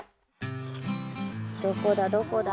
どこだどこだ？